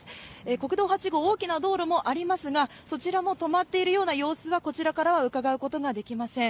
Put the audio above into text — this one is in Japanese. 国道８号、大きな道路もありますが、そちらも止まっているような様子がこちらからはうかがうことができません。